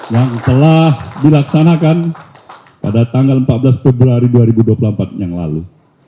yang telah dilaksanakan pada tanggal empat belas februari dua ribu dua puluh empat yang lalu